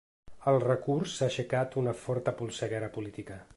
El recurs ha aixecat una forta polseguera política.